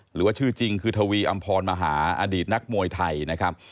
หรือว่าชื่อจริงคือทวีอำพรมหาอดีตนักมวยไทยนะครับ